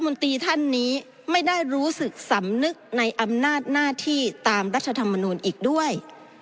นตรีท่านนี้ไม่ได้รู้สึกสำนึกในอำนาจหน้าที่ตามรัฐธรรมนูลอีกด้วย